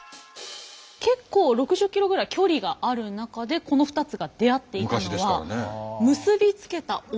結構６０ｋｍぐらい距離がある中でこの２つが出会っていたのはほう。